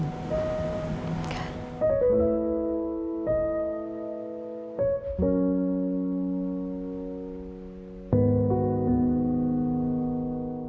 ขอบคุณครับ